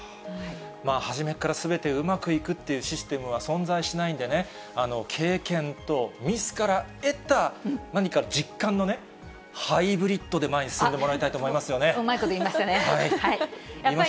初めからすべて、うまくいくというシステムは存在しないんでね、経験とミスから得た、何か実感のね、ハイブリッドで前に進んでもらいたいと思いますよね。